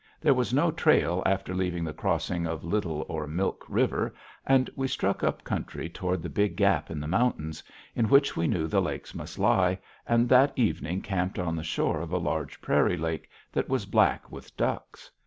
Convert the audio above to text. There was no trail after leaving the crossing of Little or Milk River, and we struck up country toward the big gap in the mountains, in which we knew the lakes must lie, and that evening camped on the shore of a large prairie lake that was black with ducks.